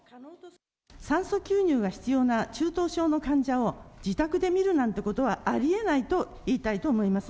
酸素吸入が必要な中等症の患者を、自宅で見るなんてことはありえないと言いたいと思います。